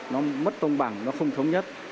nó mất tông bằng nó không thống nhất